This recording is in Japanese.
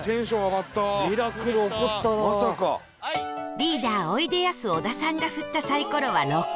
リーダーおいでやす小田さんが振ったサイコロは「６」